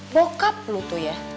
bokap lo tuh ya